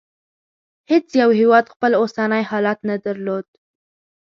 هېڅ یو هېواد خپل اوسنی حالت نه درلود.